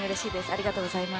ありがとうございます。